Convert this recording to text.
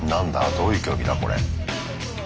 どういう競技だこれ。